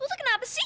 untuk kenapa sih